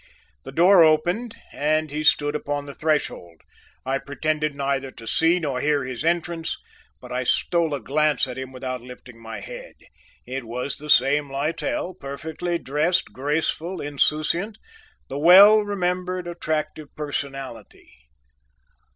The door opened and he stood upon the threshold. I pretended neither to see nor hear his entrance, but I stole a glance at him without lifting my head. It was the same Littell; perfectly dressed, graceful, insouciant, the well remembered, attractive personality.